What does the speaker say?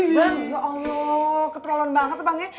bang ya allah keterlaluan banget bang ya